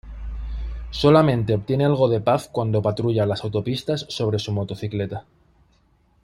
Solamente obtiene algo de paz cuando patrulla las autopistas sobre su motocicleta.